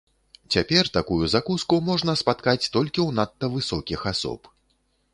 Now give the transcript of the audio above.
Цяпер такую закуску можна спаткаць толькі ў надта высокіх асоб.